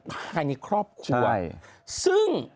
ภายในครอบครัวซึ่ง